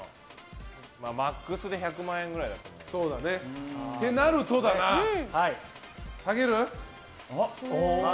マックスで１００万円くらいかな。ってなるとだな下げる？